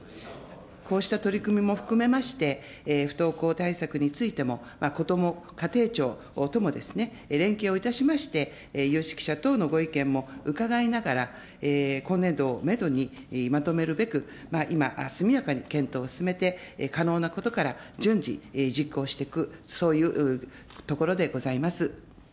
こうした取り組みも含めまして、不登校対策についても、こども家庭庁ともですね、連携をいたしまして、有識者等のご意見も伺いながら、今年度をメドにまとめるべく、今、速やかに検討を進めて、可能なことから順次実行していく、そういうところでございます。